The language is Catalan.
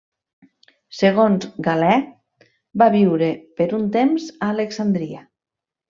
Segons Galè, va viure per un temps a Alexandria.